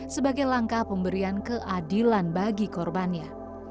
sebagai langkah pemberian keadilan bagi korbannya